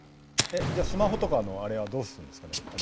じゃあスマホとかのあれはどうするんですかね？